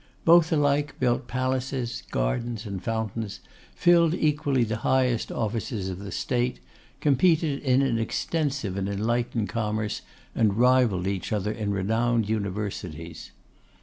Both alike built palaces, gardens, and fountains; filled equally the highest offices of the state, competed in an extensive and enlightened commerce, and rivalled each other in renowned universities.